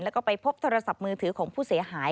แล้วก็ไปพบโทรศัพท์มือถือของผู้เสียหาย